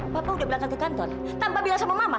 bapak udah berangkat ke kantor tanpa bilang sama mama